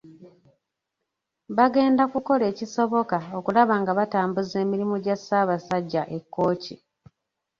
Bagenda kukola ekisoboka okulaba nga batambuza emirimu gya Ssaabasajja e Kkooki.